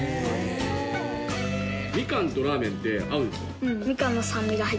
ミカンとラーメンって合うんですか？